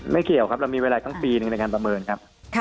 เกี่ยวครับเรามีเวลาตั้งปีหนึ่งในการประเมินครับ